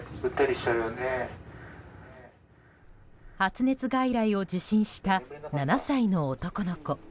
発熱外来を受診した７歳の男の子。